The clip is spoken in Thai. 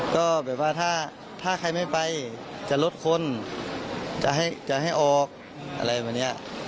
ก็แบบว่าถ้าใครไม่ไปจะลดคนจะให้ออกอะไรแบบนี้